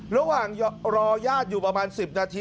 ระหว่างรอญาติอยู่ประมาณ๑๐นาที